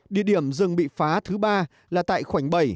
địa điểm rừng bị phá thứ ba là tại khoảnh bảy